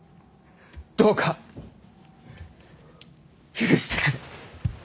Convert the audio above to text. どうか許してくれ。